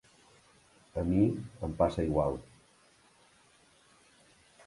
A mi, em passa igual.